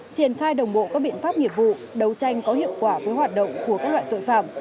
triển khai đồng bộ các biện pháp nghiệp vụ đấu tranh có hiệu quả với hoạt động của các loại tội phạm